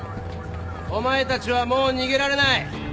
お前たちはもう逃げられない。